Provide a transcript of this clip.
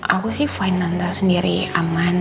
aku sih fine tante sendiri aman